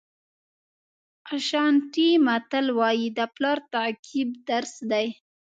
اشانټي متل وایي د پلار تعقیب درس دی.